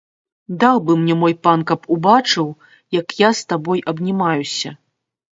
Даў бы мне мой пан, каб убачыў, як я з табою абнімаюся!